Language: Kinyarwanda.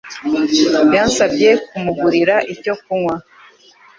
yansabye kumugurira icyo kunywa.